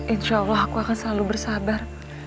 insya allah aku akan selalu bersabar